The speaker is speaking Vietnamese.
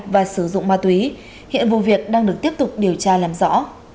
và sử dụng ma túy hiện vụ việc đang được tiếp tục điều tra làm rõ